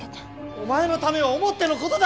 お前のためを思っての事だ！